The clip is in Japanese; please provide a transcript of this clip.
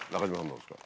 どうですか？